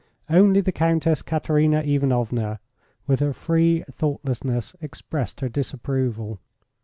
Only the Countess Katerina Ivanovna, with her free thoughtlessness, expressed her disapproval.